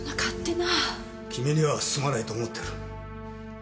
君にはすまないと思ってる。